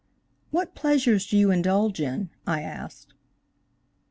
"What pleasures do you indulge in?" I asked.